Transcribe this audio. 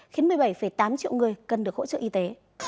khiến một mươi bảy tám triệu người cần được hỗ trợ y tế